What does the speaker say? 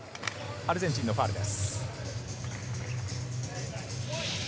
アルゼンチンのファウルです。